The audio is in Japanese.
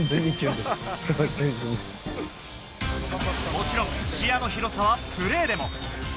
もちろん視野の広さはプレーでも。